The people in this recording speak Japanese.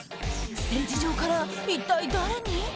ステージ上から一体誰に？